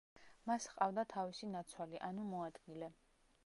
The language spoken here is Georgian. მას ჰყავდა თავისი ნაცვალი ანუ მოადგილე.